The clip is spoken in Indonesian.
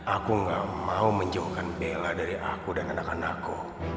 aku gak mau menjauhkan bela dari aku dan anak anakku